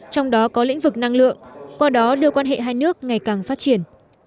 trong đó có lĩnh vực năng lượng qua đó đưa quan hệ hai nước ngày càng phát triển